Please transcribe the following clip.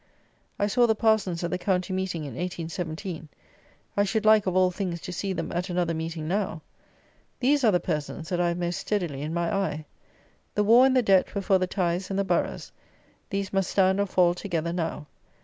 I saw the parsons at the county meeting in 1817. I should like, of all things, to see them at another meeting now. These are the persons that I have most steadily in my eye. The war and the debt were for the tithes and the boroughs. These must stand or fall together now.